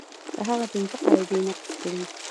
که هغه پنځه قاعدې نقض کړي.